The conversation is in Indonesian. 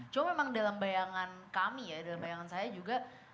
cuma memang dalam bayangan kami ya dalam bayangan saya juga